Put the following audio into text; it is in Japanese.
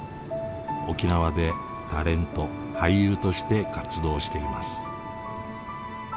沖縄でタレント・俳優として活動しています。